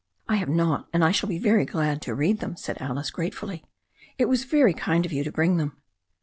"I have not, and I shall be very glad to read them," said Alice gratefully. "It was very kind of you to bring them."